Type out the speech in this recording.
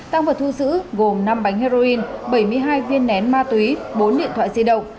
tăng vật thu giữ gồm năm bánh heroin bảy mươi hai viên nén ma túy bốn điện thoại di động